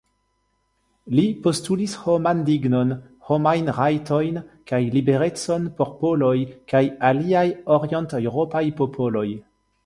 Li postulis homan dignon, homajn rajtojn kaj liberecon por poloj kaj aliaj orienteŭropaj popoloj.